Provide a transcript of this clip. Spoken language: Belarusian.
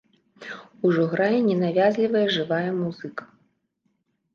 Ужо грае ненавязлівая жывая музыка.